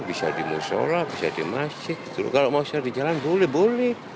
bisa di musyola bisa di masjid kalau mau share di jalan boleh boleh